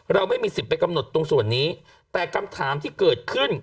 เราไม่มีสิทธิ์ไปกำหนดตรงส่วนนี้แต่คำถามที่เกิดขึ้น